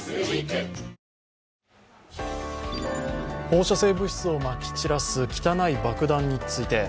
放射性物質をまき散らす汚い爆弾について。